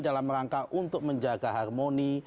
dalam rangka untuk menjaga harmoni